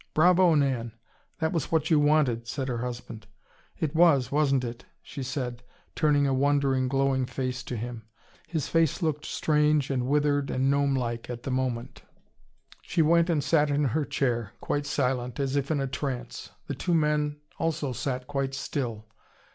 "Bravo, Nan! That was what you wanted," said her husband. "It was, wasn't it?" she said, turning a wondering, glowing face to him. His face looked strange and withered and gnome like, at the moment. She went and sat in her chair, quite silent, as if in a trance. The two men also sat quite still.